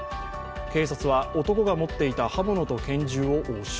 警察は男が持っていた刃物と拳銃を押収。